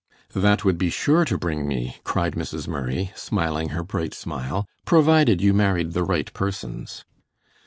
"That would be sure to bring me," cried Mrs. Murray, smiling her bright smile, "provided you married the right persons."